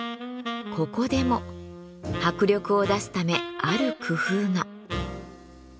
ここでも迫力を出すためある工夫が。